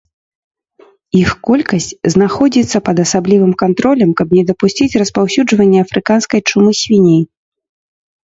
Іх колькасць знаходзіцца пад асаблівым кантролем, каб не дапусціць распаўсюджвання афрыканскай чумы свіней.